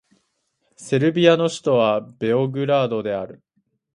セルビアの首都はベオグラードである